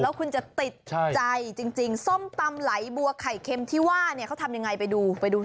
แล้วคุณจะติดใจจริงส้มตำไหลบัวไข่เค็มที่ว่าเนี่ยเขาทำยังไงไปดูไปดูสิ